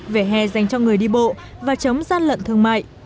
về hè dành cho người đi bộ và chống gian lận thương mại